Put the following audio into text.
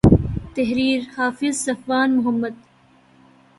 تحریر :حافظ صفوان محمد